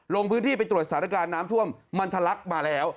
ลงพื้นที่ไปตรวจสถานการณ์น้ำท่วมมันทะลักมาแล้ว